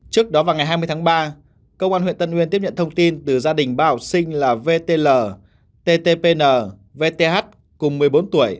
trước đó vào ngày hai mươi tháng ba công an huyện tân uyên tiếp nhận thông tin từ gia đình ba học sinh là vtl ttp vth cùng một mươi bốn tuổi